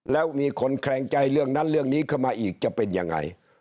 แล้วมีคนแคลงใจเรื่องนั้นเรื่องนี้เข้ามาอีกจะเป็นยังไง